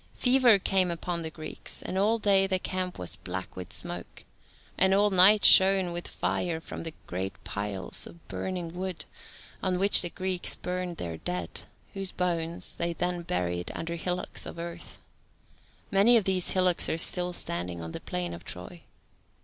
Fever came upon the Greeks, and all day the camp was black with smoke, and all night shone with fire from the great piles of burning wood, on which the Greeks burned their dead, whose bones they then buried under hillocks of earth. Many of these hillocks are still standing on the plain of Troy.